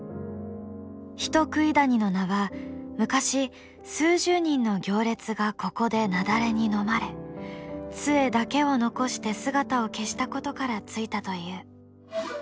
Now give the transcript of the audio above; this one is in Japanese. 人喰谷の名は昔数十人の行列がここで雪崩にのまれつえだけを残して姿を消したことから付いたという。